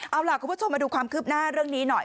เอาล่ะคุณผู้ชมมาดูความคืบหน้าเรื่องนี้หน่อย